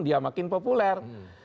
dia makin populer